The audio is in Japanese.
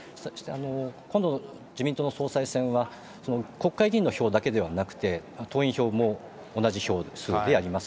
今度、自民党の総裁選は、国会議員の票だけではなくて、党員票も同じ票数でやります。